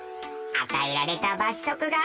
与えられた罰則が。